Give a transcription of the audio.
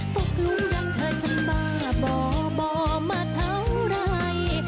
พกลงรักเธอมาอะไรมาเธอมาเช่าไหล